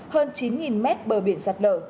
hơn chín mét bờ biển sạt lở